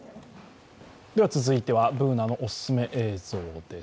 続いてはＢｏｏｎａのおすすめ映像です。